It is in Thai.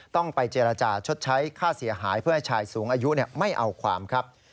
ต้องไปเจรจาชดใช้ค่าเสียหายเพื่อให้ชายสูงอายุไม่เอาความครับ